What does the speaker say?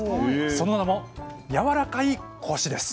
その名も「やわらかいコシ」です。